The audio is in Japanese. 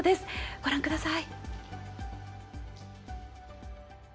ご覧ください。